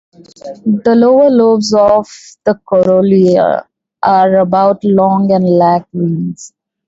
The lower lobes of the corolla are about long and lack wings.